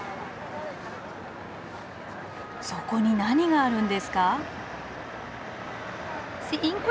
そこに何があるんですか？